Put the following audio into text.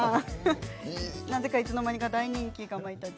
なぜかいつの間にか大人気かまいたち。